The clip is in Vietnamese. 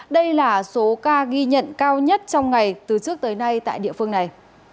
đây là số ca ghi nhận cao nhất trong ngày từ trước tới nay tại địa phương này